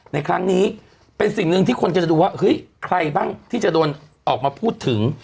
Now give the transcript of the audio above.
ในครั้งนี้เป็นสิ่งหนึ่งที่คนก็จะดูว่าเฮ้ยใครบ้างที่จะโดนออกมาพูดถึง